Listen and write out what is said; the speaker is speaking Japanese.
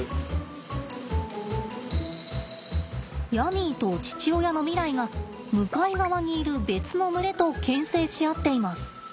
ヤミーと父親のミライが向かい側にいる別の群れとけん制し合っています。